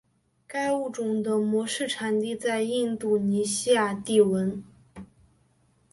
该物种的模式产地在印度尼西亚帝汶。